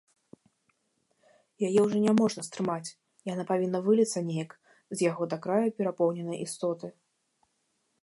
Яе ўжо няможна стрымаць, яна павінна выліцца неяк з яго да краю перапоўненай істоты.